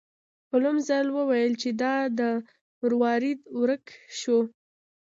هولمز وویل چې دا مروارید ورک شوی و.